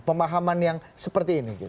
pahaman yang seperti ini